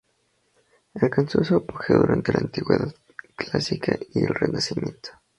Alcanzó su apogeo durante la Antigüedad clásica y el Renacimiento.